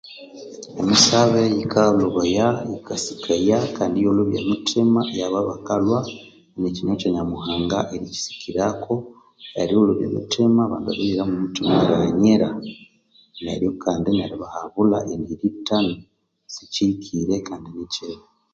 Emisabe yikalobaya kandi iyalobya emitima ahebwe kinywa kyanyamuhanga erikyisikirako erilobya emitima owerighanyira